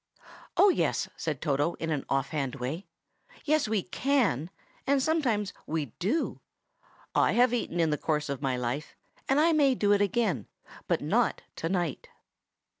"Oh, yes," said Toto in an off hand way. "Yes, we can; and sometimes we do. I have eaten in the course of my life, and I may do it again, but not to night."